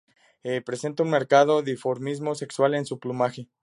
Presenta un marcado dimorfismo sexual en su plumaje.